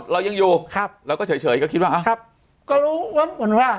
เรายังอยู่ครับเราก็เฉยเฉยก็คิดว่าอ้าวครับก็รู้ว่าเหมือนว่า